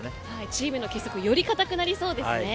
チームの結束より固くなりそうですね。